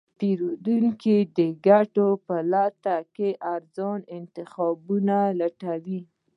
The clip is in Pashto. پیرودونکی د ګټې په لټه کې ارزانه انتخابونه لټوي.